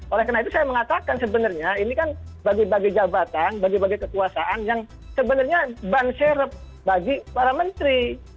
oleh karena itu saya mengatakan sebenarnya ini kan bagi bagi jabatan bagi bagi kekuasaan yang sebenarnya ban serep bagi para menteri